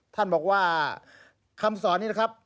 ท่านบอกว่าคำสอนนี้นะครับ